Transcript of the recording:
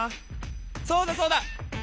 そうだそうだ！